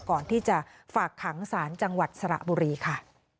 ก่อนที่จะฝากขังศาลจังหวัดสระบุรีค่ะ